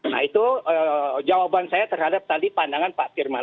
nah itu jawaban saya terhadap tadi pandangan pak firman